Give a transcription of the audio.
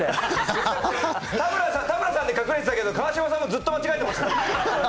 田村さんで隠れてたけど川島さんもずっと間違えてましたよ。